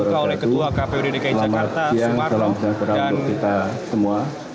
selamat siang selamat siang terhadap kita semua